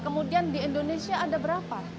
kemudian di indonesia ada berapa